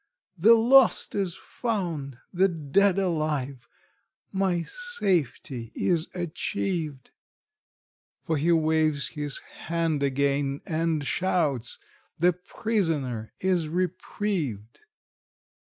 The lost is found, the dead alive, my safety is achieved! For he waves his hand again, and shouts, "The prisoner is reprieved!"